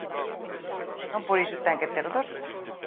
Non por iso ten que ter dor.